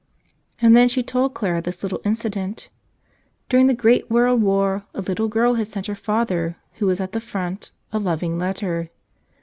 And then she told Clara this little incident. During the great World War a little girl had sent her father, who was at the front, a loving letter.